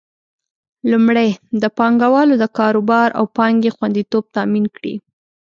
لومړی: د پانګوالو د کاروبار او پانګې خوندیتوب تامین کړي.